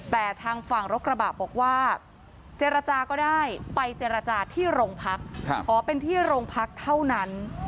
แต่ทางฝั่งรถกระบะบอกว่าเจรจาก็ได้ไปเจรจาที่โรงพักขอเป็นที่โรงพักเท่านั้น